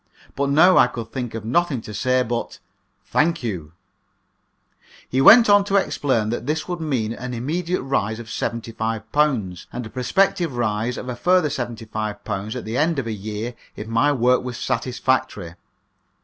But now I could think of nothing to say but "Thank you." He went on to explain that this would mean an immediate rise of £75, and a prospective rise of a further £75 at the end of a year if my work was satisfactory.